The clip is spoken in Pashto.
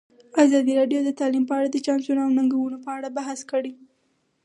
ازادي راډیو د تعلیم په اړه د چانسونو او ننګونو په اړه بحث کړی.